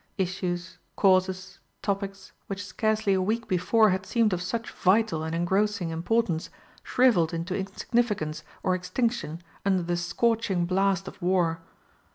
Issues, causes, topics, which scarcely a week before had seemed of such vital and engrossing importance, shrivelled into insignificance or extinction under the scorching blast of war.